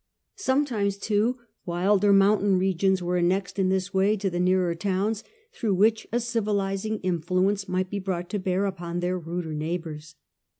Sometimes, too, wilder mountain regions were annexed in this way to the nearer towns, through which a civilizing influence might be brought to bear upon their ruder neighbours.